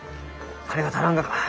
金が足らんがか？